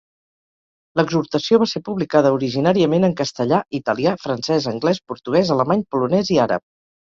L'exhortació va ser publicada originàriament en castellà, italià, francès, anglès, portuguès, alemany, polonès i àrab.